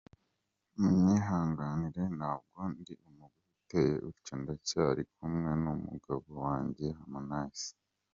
Munyihangire ntabwo ndi umugore uteye utyo, ndacyari kumwe n’umugabo wanjye Harmonize.